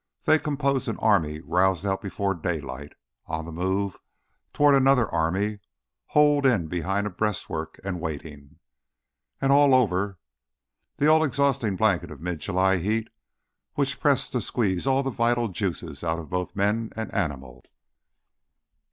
They composed an army roused out before daylight, on the move toward another army holed in behind a breastworks and waiting. And over all, the exhausting blanket of mid July heat which pressed to squeeze all the vital juices out of both man and animal.